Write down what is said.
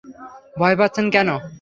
ভয় পাচ্ছেন কেন?